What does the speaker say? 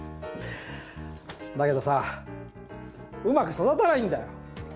だけどさうまく育たないんだよ！